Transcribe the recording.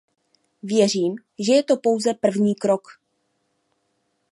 Věřím, že je to pouze první krok.